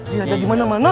dia aja dimana mana